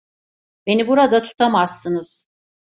Beni burada tutamazsınız.